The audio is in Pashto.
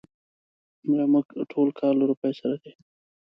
زموږ ټول کار له روپيو سره دی.